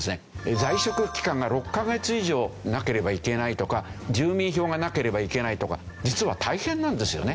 在職期間が６カ月以上なければいけないとか住民票がなければいけないとか実は大変なんですよね。